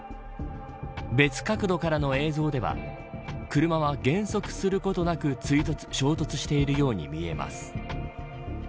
別角度からの映像では車は減速することなく衝突しているように見えます。